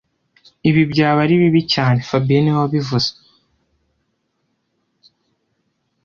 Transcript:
Ibi byaba ari bibi cyane fabien niwe wabivuze